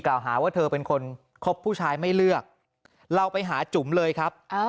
หาว่าเธอเป็นคนคบผู้ชายไม่เลือกเราไปหาจุ๋มเลยครับ